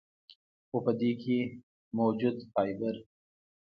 خو پۀ دې کښې موجود فائبر ،